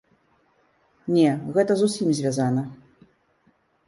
Не, гэта з усім звязана.